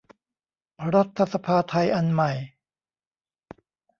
รัฐสภาไทยอันใหม่